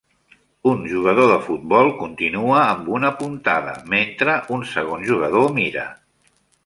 Un jugador de futbol continua amb una puntada mentre un segon jugador mira.